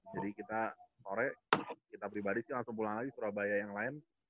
jadi kita sore kita pribadi sih langsung pulang lagi surabaya yang lain